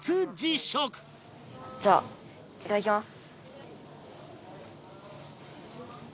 じゃあいただきます。